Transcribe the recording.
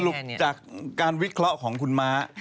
จากการวิเคราะห์ของคุณม้า